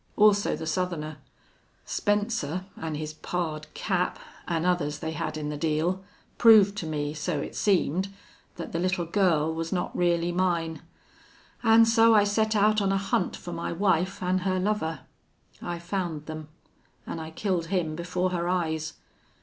Also the Southerner!... Spencer an' his pard Cap, an' others they had in the deal, proved to me, so it seemed, that the little girl was not really mine!... An' so I set out on a hunt for my wife an' her lover. I found them. An' I killed him before her eyes.